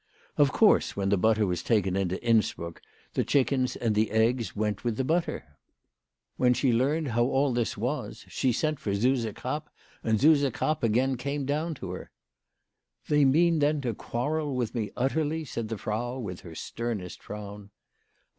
Of course when the butter was taken into Innsbruck, the chickens and the eggs went with the butter. When .she learned WHY FRAU FROHMANN RAISED HER PRICES. 55 how all this was she sent for Suse Krapp, and Suse Krapp again came down to her. " They mean then to quarrel with me utterly ?" said the Frau with her sternest frown.